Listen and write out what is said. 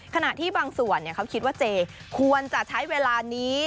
ขณะที่บางส่วนเขาคิดว่าเจควรจะใช้เวลานี้